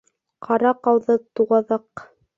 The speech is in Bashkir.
Ҡара ҡауҙы, Туғаҙаҡ!